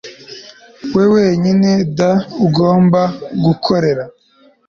we wenyine d ugomba gukorera